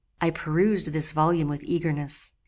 I perused this volume with eagerness.